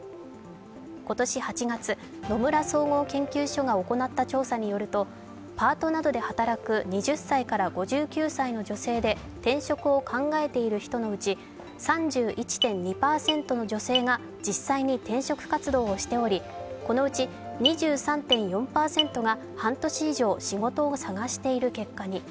今年８月、野村総合研究所が行った調査によると、パートなどで働く２０５９歳の女性で転職を考えている人のうち、３１．２％の女性が実際に転職活動をしており、このうち２３．４％が半年以上仕事を探している結果に。